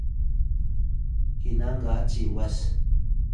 Ciwas: kinang ga Ciwas